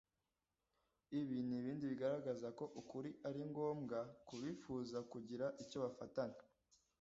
ibi ni ibindi bigaragaza ko ukuli ari ngombwa kubifuza kugira icyo bafatanya.